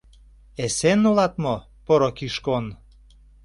Эсен улат мо, поро Кишкон?